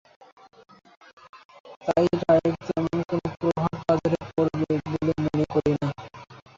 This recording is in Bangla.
তাই রায়ের তেমন কোনো প্রভাব বাজারে পড়বে বলে মনে করি না।